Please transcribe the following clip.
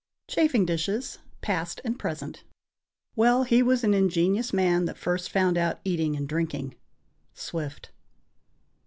=Chafing dishes Past and Present.= Well, he was an ingenious man that first found out eating and drinking. _Swift.